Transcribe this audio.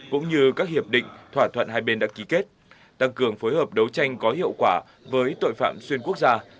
cũng như các hiệp định thỏa thuận hai bên đã ký kết tăng cường phối hợp đấu tranh có hiệu quả với tội phạm xuyên quốc gia